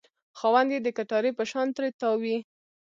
خاوند یې د کټارې په شان ترې تاو وي.